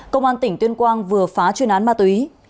công an tỉnh tuyên quang vừa phá chuyên án ma túy